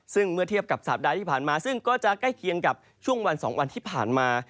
ซึ่งเมื่อเทียบกับสัปดาห์ที่ผ่านมาซึ่งก็จะใกล้เคียงกับช่วงวัน๒วันที่ผ่านมา